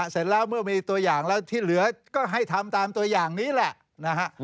เสร็จแล้วเมื่อมีตัวอย่างแล้วที่เหลือก็ให้ทำตามตัวอย่างนี้แหละนะฮะ